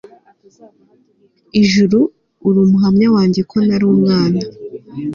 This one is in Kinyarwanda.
Ijuru uri umuhamya wanjye ko nari umwana